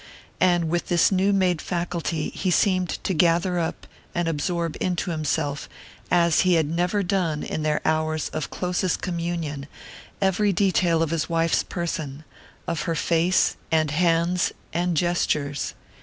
And with this new made faculty he seemed to gather up, and absorb into himself, as he had never done in their hours of closest communion, every detail of his wife's person, of her face and hands and gestures.